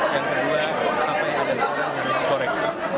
yang kedua apa yang ada sekarang yang dikoreksi